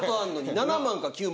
７万９万。